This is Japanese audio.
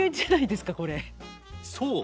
そう。